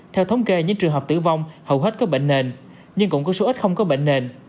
theo thống kê những trường hợp tử vong hầu hết các bệnh nền nhưng cũng có số ít không có bệnh nền